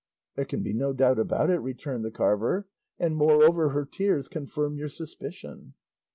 "There can be no doubt about it," returned the carver, "and moreover her tears confirm your suspicion."